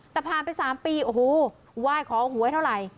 แต่ผ่านไป๓ปีโอ้โหไหว้ขอหวยเท่าไหร่